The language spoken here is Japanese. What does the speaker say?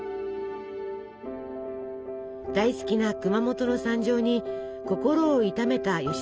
大好きな熊本の惨状に心を痛めた吉崎さん。